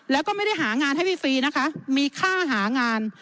แล้วก็ไม่ได้หางานให้ฟรีนะคะมีค่าหางาน